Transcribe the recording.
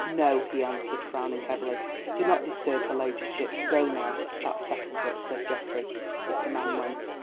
"No," he answered, frowning heavily, "do not disturb her ladyship. Go now." "That settles it," said Geoffrey, as the man went.